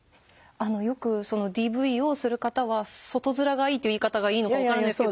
よくＤＶをする方は外面がいいという言い方がいいのか分からないんですけど。